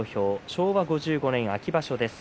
昭和５５年秋場所です。